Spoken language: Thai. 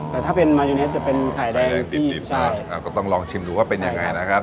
แต่ถ้าเป็นมายูเนสจะเป็นไข่แดงติดก็ต้องลองชิมดูว่าเป็นยังไงนะครับ